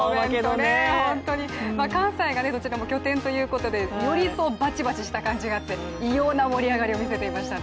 関西が拠点ということで、よりバチバチした感じがあって異様な盛り上がりを見せていましたね。